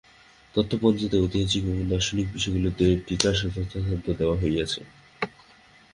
তথ্যপঞ্জীতে ঐতিহাসিক এবং দার্শনিক বিষয়গুলির টীকা যথাসাধ্য দেওয়া হইয়াছে।